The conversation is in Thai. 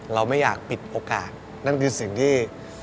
เราไม่อยากปิดโอกาสนั่นคือสิ่งที่